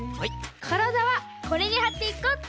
からだはこれにはっていこうっと。